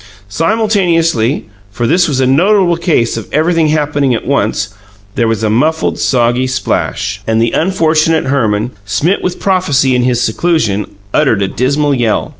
Simultaneously for this was a notable case of everything happening at once there was a muffled, soggy splash, and the unfortunate Herman, smit with prophecy in his seclusion, uttered a dismal yell.